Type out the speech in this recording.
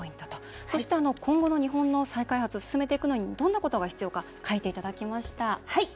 今後の日本の再開発を進めていくのにどんなことが大切かを書いていただきました。